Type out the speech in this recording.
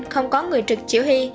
không có người trực chỉ huy